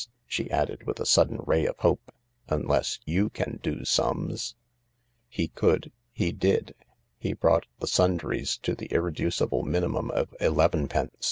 «/* she added, with a sudden ray of hope, " unless you can do sums ?" He could; he did. He brought the sundries to the irreducible minimum of elevenpence.